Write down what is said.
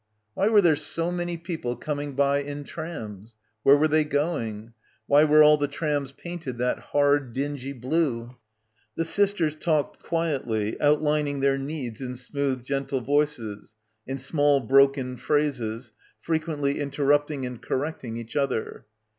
Why were there so many people coming by in trams? Where were they going? Why were all the trams painted that hard, dingy blue? The sisters talked quietly, outlining their needs in smooth gentle voices, in small broken phrases, frequently interrupting and correcting each other.